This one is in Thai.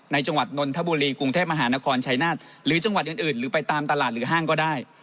จังหวัดนนทบุรีกรุงเทพมหานครชัยนาฏหรือจังหวัดอื่นหรือไปตามตลาดหรือห้างก็ได้